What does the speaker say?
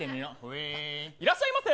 いらっしゃいませ。